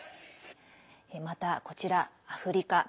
また、こちら、アフリカ。